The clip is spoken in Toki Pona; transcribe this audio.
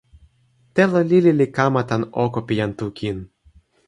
telo lili li kama tan oko pi jan Tu kin.